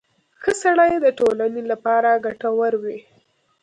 • ښه سړی د ټولنې لپاره ګټور وي.